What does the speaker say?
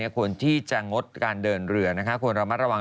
ควรที่จะงดการเดินเรือควรระมัดระวัง